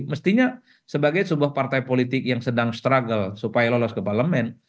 mestinya sebagai sebuah partai politik yang sedang struggle supaya lolos ke parlemen